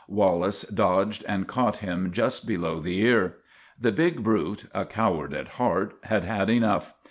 Wal lace dodged and caught him just below the ear. The big brute, a coward at heart, had had enough.